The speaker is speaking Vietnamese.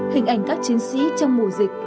hình ảnh các chiến sĩ trong mùa dịch